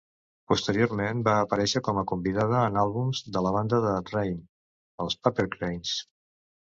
Posteriorment, va aparèixer com a convidada en àlbums de la banda de Rain, els Papercranes.